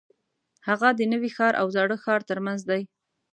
هغه د نوي ښار او زاړه ښار ترمنځ دی.